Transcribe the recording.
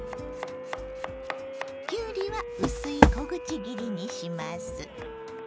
きゅうりは薄い小口切りにします。